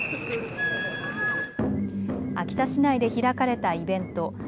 秋田市内で開かれたイベント。